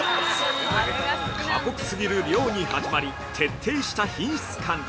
◆過酷すぎる漁に始まり徹底した品質管理。